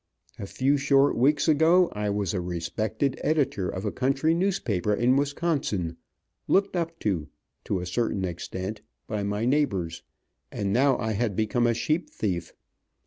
A few short weeks ago I was a respected editor of a country newspaper in Wisconsin, looked up to, to a certain extent, by my neighbors, and now I had become a sheep thief.